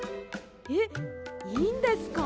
えっいいんですか？